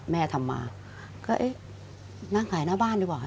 แม่ทำมาก็เอ๊ะนั่งขายหน้าบ้านดีกว่าค่ะ